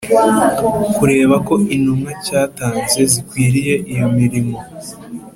Kureba ko intumwa cyatanze zikwiriye iyo mirimo